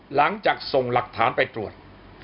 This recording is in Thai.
หลังจากส่งหลักฐานไปตรวจ